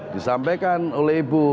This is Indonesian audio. disampaikan oleh ibu